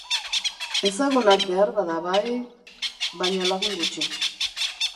Ezagunak beharbada bai... baina lagun gutxi.